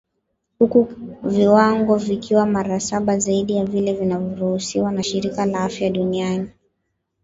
huku viwango vikiwa mara saba zaidi ya vile vinavyoruhusiwa na shirika la afya duniani